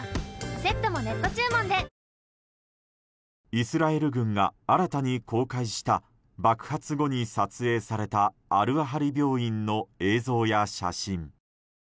イスラエル軍が新たに公開した爆発後に撮影されたアル・アハリ病院の映像や写真。